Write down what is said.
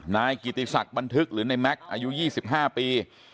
นายกิติศักดิ์บันทึกหรือในแม็กซ์อายุ๒๕ปี